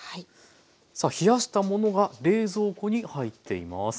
さあ冷やしたものが冷蔵庫に入っています。